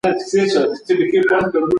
هغه د پاکستان له نومه په غوسه کېده.